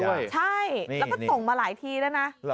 ใช่แล้วก็ส่งมาหลายทีแล้วนะ